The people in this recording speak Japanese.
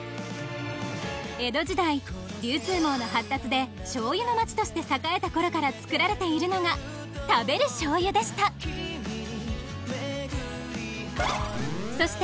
江戸時代流通網の発達で醤油の街として栄えた頃から作られているのが食べる醤油でしたそして